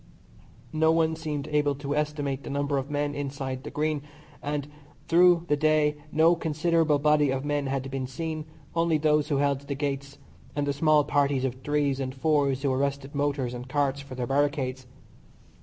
No one seemed able to estimate the number of men inside the Green, and through the day no considerable body of men had been seen, only those who held the gates, and the small parties of threes and fours who arrested motors and carts for their barricades.